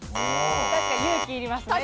確かに勇気いりますね。